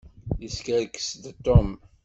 Iskerkes-d Tom.